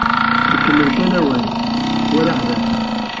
Ikemmel kan awal, war aḥbas.